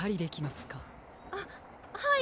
あっはい。